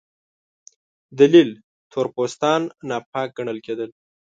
دلیل: تور پوستان ناپاک ګڼل کېدل.